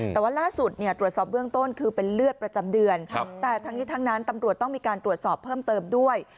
แต่ว่าล่าสุดตรวจสอบเบื้องต้นคือเป็นเลือดประจำเดือนแต่ทั้งนี้ทั้งนั้นตำรวจต้องมีการตรวจสอบเพิ่มเติมด้วย